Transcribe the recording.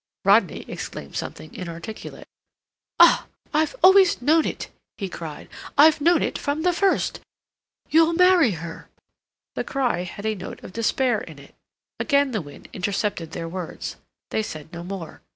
Rodney exclaimed something inarticulate. "Ah, I've always known it," he cried, "I've known it from the first. You'll marry her!" The cry had a note of despair in it. Again the wind intercepted their words. They said no more.